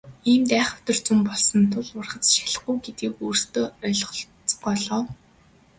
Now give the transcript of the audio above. Иймд айхавтар зун болсон тул ургац ч шалихгүй гэдгийг өөрсдөө ойлгоцгоо.